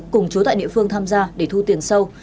cùng chú tại địa phương tham gia để thu tiền sâu